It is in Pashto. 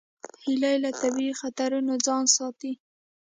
هیلۍ له طبیعي خطرونو ځان ساتي